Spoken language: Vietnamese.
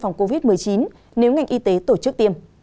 phòng covid một mươi chín nếu ngành y tế tổ chức tiêm